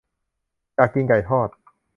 อยากกินไก่ทอด